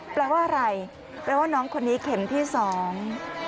แปลว่าอะไรแปลว่าน้องคนนี้เข็มที่สอง